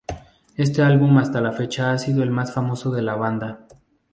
Este álbum hasta la fecha ha sido el más famoso de la banda.